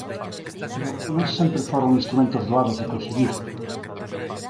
Pero non sempre foron instrumentos doados de conseguir.